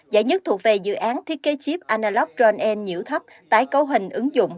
giải nhất thuộc về dự án thiết kế chip analog drone n nhiễu thấp tái cấu hình ứng dụng